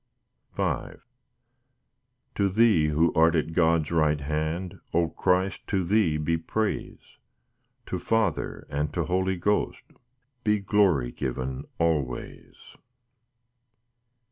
V To Thee who art at God's right hand, O Christ, to Thee be praise, To Father, and to Holy Ghost, Be glory given always.